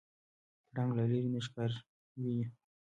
پړانګ له لرې نه ښکار ویني.